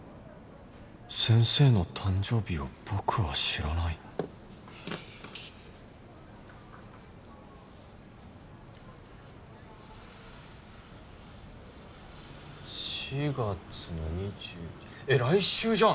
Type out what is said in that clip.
先生の誕生日を僕は知らない４月の２１えっ来週じゃん。